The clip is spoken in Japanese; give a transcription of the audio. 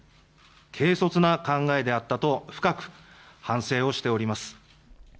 軽率な考えであったと深く反省をしております。